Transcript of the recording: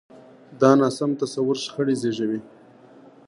دا ناسم تصور شخړې زېږوي.